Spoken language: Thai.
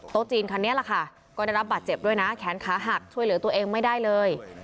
จีนคันนี้แหละค่ะก็ได้รับบาดเจ็บด้วยนะแขนขาหักช่วยเหลือตัวเองไม่ได้เลย